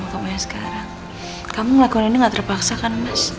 aku senang sama kamu sekarang kamu ngelakuin ini nggak terpaksa kan